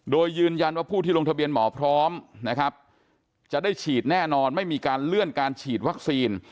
โดยยืนยันว่าผู้ที่ลงทะเบียนหมอพร้อมนะครับจะได้ฉีดแน่นอนไม่มีการเลื่อนการฉีดวัคซีน